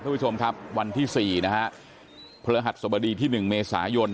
ท่านผู้ชมครับวันที่สี่นะฮะพลหัสสบดีที่หนึ่งเมษายน